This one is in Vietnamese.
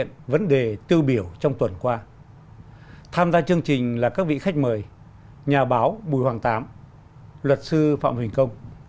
tham gia chương trình là các vị khách mời nhà báo bùi hoàng tám luật sư phạm huỳnh công